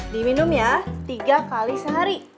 diminum ya tiga kali sehari